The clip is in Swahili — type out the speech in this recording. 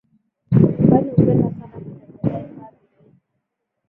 kwani hupenda sana kutembelea hifadhi hii